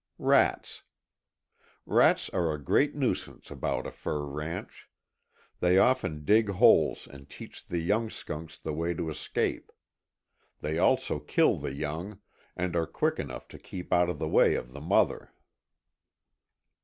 13.ŌĆöRats. Rats are a great nuisance about a fur ranch. They often dig holes and teach the young skunks the way to escape. They also kill the young, and are quick enough to keep out of the way of the mother.